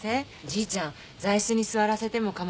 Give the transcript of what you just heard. じいちゃん座椅子に座らせてもかまわない？